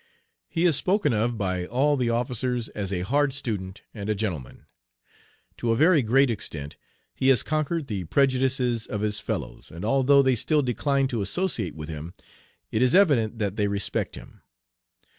"He is spoken of by all the officers as a hard student and a gentleman. To a very great extent he has conquered the prejudices of his fellows, and although they still decline to associate with him it is evident that they respect him.